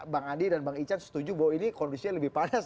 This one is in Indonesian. bang andi dan bang ican setuju bahwa ini kondisinya lebih panas